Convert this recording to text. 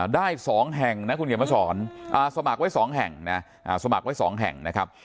ได้สองแห่งนะคุณเกดมาสอนสมัครไว้สองแห่งนะครับ